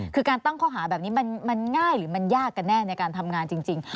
คือการตั้งข้อหาแบบนี้มันง่ายหรือมันยากกันแน่ในการทำงานจริง